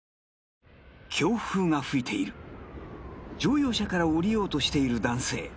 強風が吹いている乗用車から降りようとしている男性